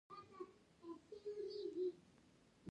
هولي د رنګونو جشن دی.